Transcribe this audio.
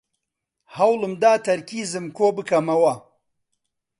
هەوڵم دا تەرکیزم کۆبکەمەوە.